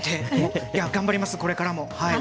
頑張ります、これからも。